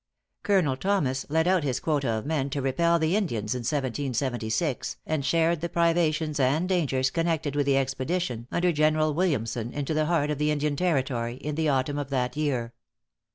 Colonel Thomas led out his quota of men to repel the Indians in 1776, and shared the privations and dangers connected with the expedition under General Williamson into the heart of the Indian territory, in the autumn of that year.